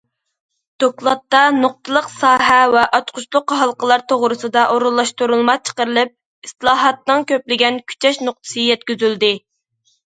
دوكلاتتا نۇقتىلىق ساھە ۋە ئاچقۇچلۇق ھالقىلار توغرىسىدا ئورۇنلاشتۇرۇلما چىقىرىلىپ، ئىسلاھاتنىڭ كۆپلىگەن كۈچەش نۇقتىسى يەتكۈزۈلدى.